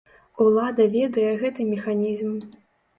Улада ведае гэты механізм.